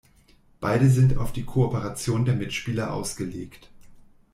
Beide sind auf die Kooperation der Mitspieler ausgelegt.